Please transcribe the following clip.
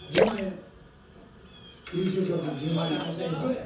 １０万円！